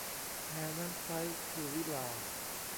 แมวนั้นไซร้ คือวิฬาร์